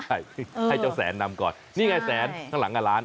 ใช่ให้เจ้าแสนนำก่อนนี่ไงแสนข้างหลังร้าน